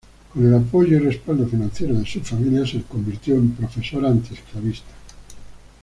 Con el apoyo y respaldo financiero de su familia, se convirtió en profesora antiesclavista.